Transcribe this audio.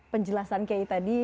penjelasan kiai tadi